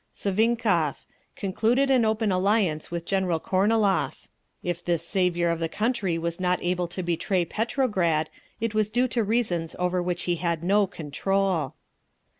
Savinkov: concluded an open alliance with General Kornilov. If this saviour of the country was not able to betray Petrograd, it was due to reasons over which he had no control.